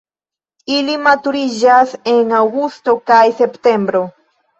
Ili maturiĝas en aŭgusto kaj septembro.